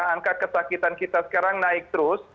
angka kesakitan kita sekarang naik terus